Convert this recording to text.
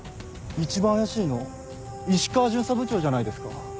一番怪しいの石川巡査部長じゃないですか。